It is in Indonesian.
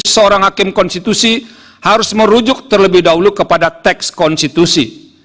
seorang hakim konstitusi harus merujuk terlebih dahulu kepada teks konstitusi